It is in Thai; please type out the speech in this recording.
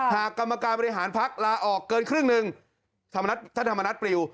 กรรมการบริหารพักลาออกเกินครึ่งหนึ่งท่านธรรมนัฐปลิว